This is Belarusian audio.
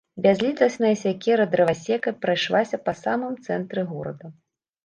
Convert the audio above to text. Бязлітасная сякера дрывасека прайшлася па самым цэнтры горада.